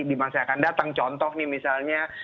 di masa yang akan datang contoh nih misalnya